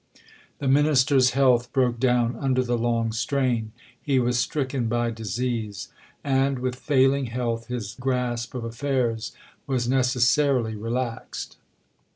The Minister's health broke down under the long strain; he was stricken by disease; and, with failing health, his grasp of affairs was necessarily relaxed.